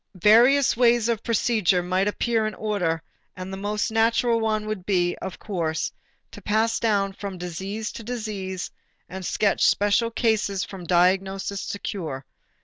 Various ways of procedure might appear in order and the most natural one would be, of course, to pass down from disease to disease and sketch special cases from diagnosis to cure.